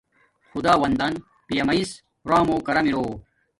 خداوندن پیامیس رحم مو کرم اِرو